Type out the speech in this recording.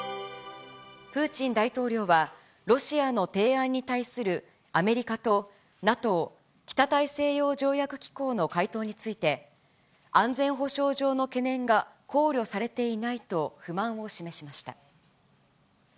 プーチン大統領はロシアの提案に対するアメリカとＮＡＴＯ・北大西洋条約機構の回答について、安全保障上の懸念が考慮されていないと不満を示しました。